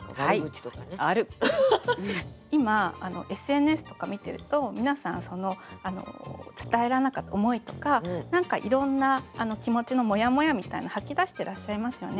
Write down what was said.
今ＳＮＳとか見てると皆さんその伝えられなかった思いとか何かいろんな気持ちのモヤモヤみたいな吐き出してらっしゃいますよね。